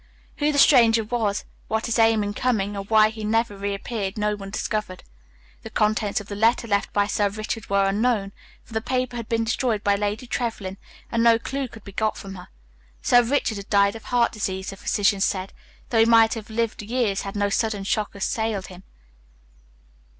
Who the stranger was, what his aim in coming, or why he never reappeared, no one discovered. The contents of the letter left by Sir Richard were unknown, for the paper had been destroyed by Lady Trevlyn and no clue could be got from her. Sir Richard had died of heart disease, the physicians said, though he might have lived years had no sudden shock assailed him.